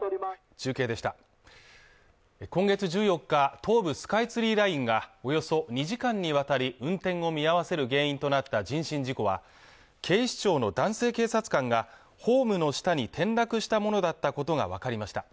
今月１４日東武スカイツリーラインがおよそ２時間にわたり運転を見合わせる原因となった人身事故は警視庁の男性警察官がホームの下に転落したものだったことが分かりました